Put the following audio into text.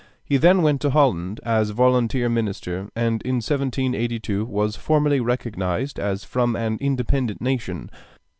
He then went to Holland as volunteer minister, and in 1782 was formally recognized as from an independent nation.